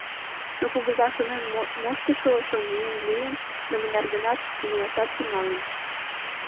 Но Кугыза шонен моштышо шоҥгыеҥ лийын да мыняр-гынат умылашат тӱҥалын.